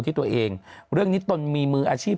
ที่ตัวเองเรื่องนี้ตนมีมืออาชีพ